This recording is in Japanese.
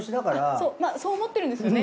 そうそう思ってるんですよね